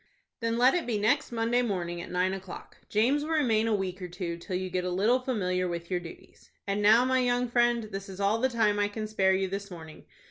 "Then let it be next Monday morning, at nine o'clock. James will remain a week or two, till you get a little familiar with your duties. And now, my young friend, this is all the time I can spare you this morning.